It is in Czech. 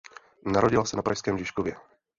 Narodila se na pražském Žižkově.